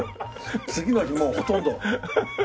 次の日もうほとんど。